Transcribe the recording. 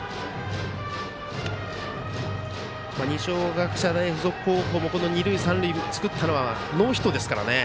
二松学舎大付属高校も二塁三塁を作ったのはノーアウトですからね。